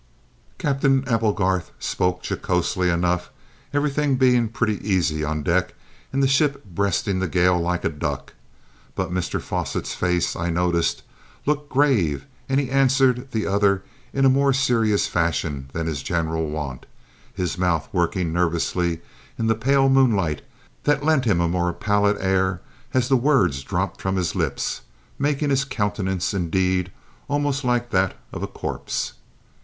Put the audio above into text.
Captain Applegarth spoke jocosely enough, everything being pretty easy on deck and the ship breasting the gale like a duck, but Mr Fosset's face, I noticed, looked grave and he answered the other in a more serious fashion than his general wont, his mouth working nervously in the pale moonlight that lent him a more pallid air as the words dropped from his lips, making his countenance, indeed, almost like that of a corpse.